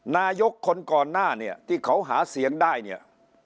นายกคนก่อนหน้าเนี่ยที่เขาหาเสียงได้เนี่ย